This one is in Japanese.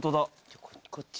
こっち？